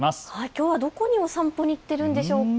きょうはどこにお散歩に行っているんでしょうか。